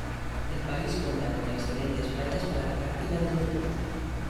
El país cuenta con excelentes playas para la práctica del deporte.